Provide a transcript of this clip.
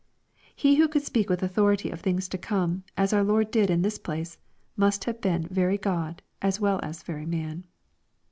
He who could speak with authority of things to come, as our Lord did in this place, must have been very God as well as very man.